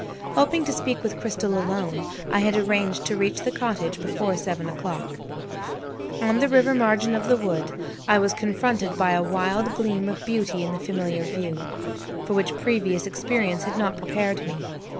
Hoping to speak with Cristel alone, I had arranged to reach the cottage before seven o'clock. On the river margin of the wood, I was confronted by a wild gleam of beauty in the familiar view, for which previous experience had not prepared me.